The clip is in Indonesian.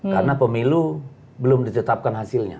karena pemilu belum ditetapkan hasilnya